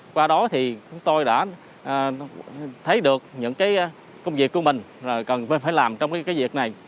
qua đó thì chúng tôi đã thấy được những công việc của mình cần phải làm trong việc này